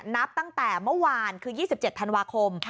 นับตั้งแต่เมื่อวานคือ๒๗ธันวาคม